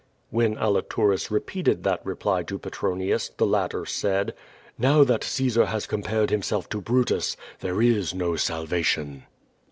'' When Aliturus repeated that reply to Petronius, the latter said: 382 Q^O y^DIS. *^Now that Caesar has compared himself to Brutus, there is no salvation."